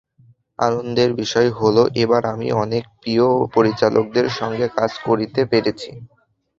আনন্দের বিষয় হলো, এবার আমি অনেক প্রিয় পরিচালকদের সঙ্গে কাজ করতে পেরেছি।